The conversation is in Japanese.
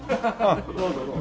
どうぞどうぞ。